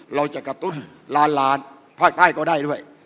เราจะกระตุ้นล้านล้านภาคใต้ก็ได้ด้วย